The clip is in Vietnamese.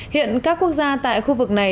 hiện các quốc gia tại khu vực này